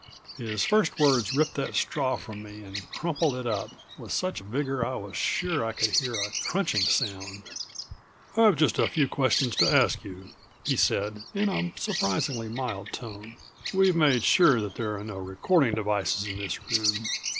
His first words ripped that straw from me and crumpled it up, with such vigor I was sure I could hear a crunching sound. "I've just a few questions to ask you," he said, in a surprisingly mild tone. "We've made sure that there are no recording devices in this room.